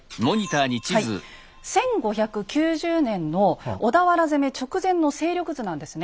はい１５９０年の小田原攻め直前の勢力図なんですね。